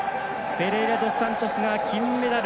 フェレイラドスサントスが金メダル。